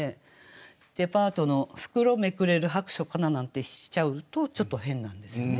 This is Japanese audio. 「デパートの袋めくれる薄暑かな」なんてしちゃうとちょっと変なんですよね。